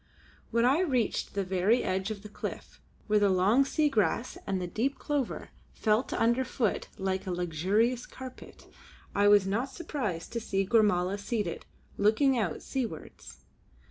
When I reached the very edge of the cliff, where the long sea grass and the deep clover felt underfoot like a luxurious carpet, I was not surprised to see Gormala seated, looking out seawards.